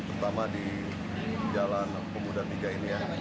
pertama di jalan pemuda tiga ini